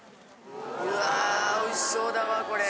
うわおいしそうだわこれ。